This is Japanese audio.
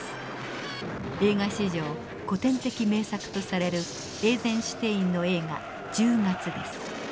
映画史上古典的名作とされるエイゼンシュテインの映画「十月」です。